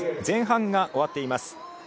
前半が終わっています。